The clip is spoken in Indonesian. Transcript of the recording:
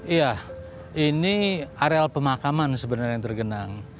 iya ini areal pemakaman sebenarnya yang tergenang